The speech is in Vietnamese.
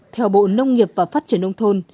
theo bộ nông nghiệp và phát triển nông thôn